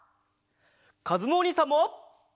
かずむおにいさんも！